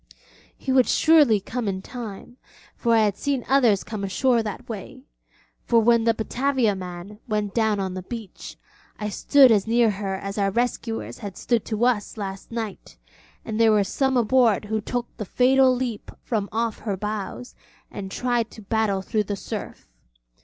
He would surely come in time, for I had seen others come ashore that way. For when the Bataviaman went on the beach, I stood as near her as our rescuers had stood to us last night, and there were some aboard who took the fatal leap from off her bows and tried to battle through the surf.